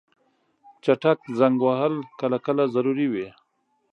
چټک زنګ وهل کله کله ضروري وي.